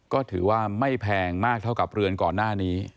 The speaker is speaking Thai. ก็ถือว่าไม่แพงมากเท่ากับเรือนก่อนหน้านี้